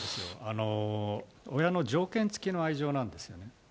親の条件付きの愛情なんですよね。